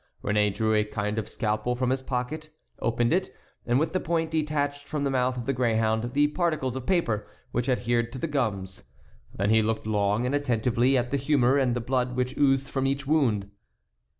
Réné drew a kind of scalpel from his pocket, opened it, and with the point detached from the mouth of the greyhound the particles of paper which adhered to the gums; then he looked long and attentively at the humor and the blood which oozed from each wound.